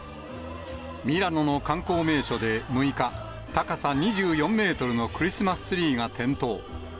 ミラノの観光名所で６日、高さ２４メートルのクリスマスツリーが点灯。